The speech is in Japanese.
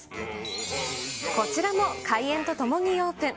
こちらも開園とともにオープン。